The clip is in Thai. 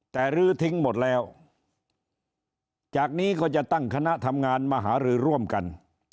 แต่รื้อทิ้งหมดแล้วจากนี้ก็จะตั้งคณะทำงานมหารือร่วมกัน